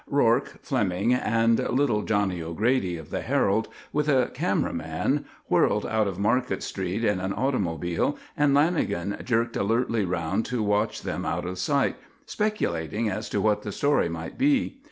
Rourke, Fleming, and little Johnny O'Grady of the Herald, with a camera man, whirled out of Market Street in an automobile, and Lanagan jerked alertly round to watch them out of sight, speculating as to what the story might be.